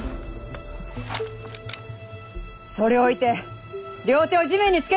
それを置いて両手を地面につけなさい。